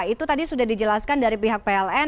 itu tadi sudah dijelaskan dari pihak pln